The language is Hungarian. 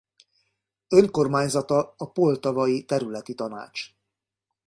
Önkormányzata a Poltavai Területi Tanács.